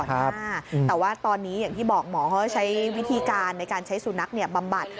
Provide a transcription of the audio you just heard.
แต่ว่าตอนนี้อย่างที่บอกหมอเขาใช้วิธีการในการใช้สุนัขบำบัด